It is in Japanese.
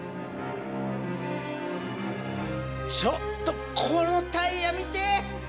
ちょっとこのタイヤ見て！